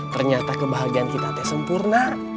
ternyata kebahagiaan kita teh sempurna